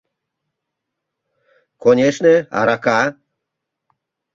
Конешне, арака.